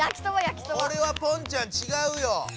これはポンちゃんちがうよ！